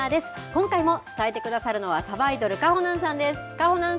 今回も伝えてくださるのは、さばいどる、かほなんさんです。